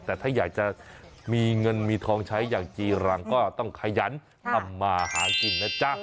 แต่ถ้าอยากจะมีเงินมีทองใช้อย่างจีรังก็ต้องขยันทำมาหากินนะจ๊ะ